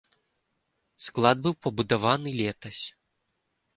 Склад быў пабудаваны летась.